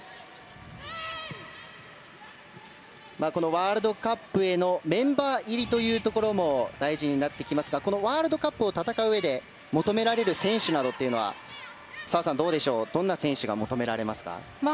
ワールドカップへのメンバー入りというところも大事になってきますがワールドカップを戦ううえで求められる選手などというのは澤さん、どんな選手が求められますか？